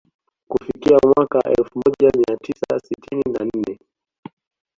Kufikia mwaka elfu moja mia tisa sitini na nne